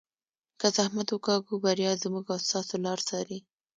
که زحمت وکاږو بریا زموږ او ستاسو لار څاري.